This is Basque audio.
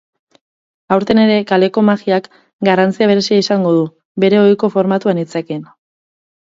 Aurten ere kaleko magiak garrantzia berezia izango du, bere ohiko formatu anitzekin.